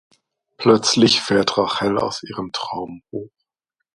Plötzlich fährt Rachel aus ihrem Traum hoch.